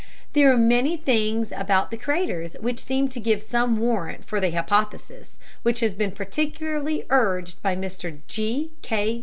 There are many things about the craters which seem to give some warrant for the hypothesis which has been particularly urged by Mr G. K.